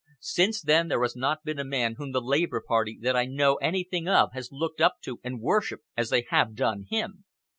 Since then there has not been a man whom the Labour Party that I know anything of has looked up to and worshipped as they have done him."